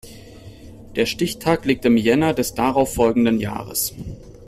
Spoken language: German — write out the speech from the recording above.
Der Stichtag liegt im Jänner des darauf folgenden Jahres.